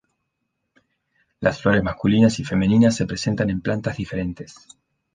Las flores masculinas y femeninas se presentan en plantas diferentes.